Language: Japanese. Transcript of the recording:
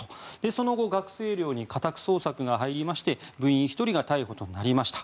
その後、学生寮に家宅捜索が入りまして部員１人が逮捕となりました。